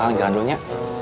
kang jalan dulunya